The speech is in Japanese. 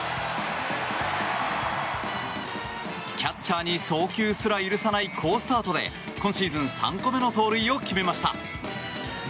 キャッチャーに送球すら許さない好スタートで今シーズン３個目の盗塁を決めました。